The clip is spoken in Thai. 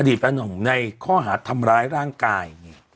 อดีตแผนของในข้อหาดทำร้ายร่างกาย